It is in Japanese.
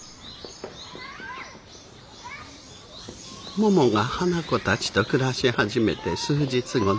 ももが花子たちと暮らし始めて数日後の事でした。